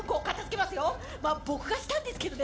まっ僕がしたんですけどね。